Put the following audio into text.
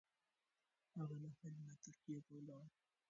هغه له حلب نه ترکیې ته ولاړ.